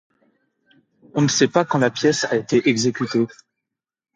On ne sait pas quand la pièce a été exécutée.